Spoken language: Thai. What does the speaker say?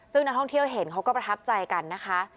ซึ่งนักท่องเที่ยวเห็นเขาก็ประทับใจกันนะคะ